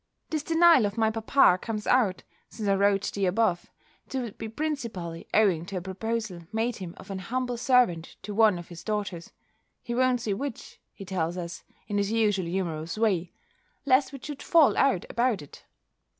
This denial of my papa comes out, since I wrote the above, to be principally owing to a proposal made him of an humble servant to one of his daughters: he won't say which, he tells us, in his usual humourous way, lest we should fall out about it.